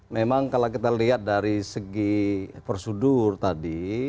memang kalau kita lihat dari segi prosedur tadi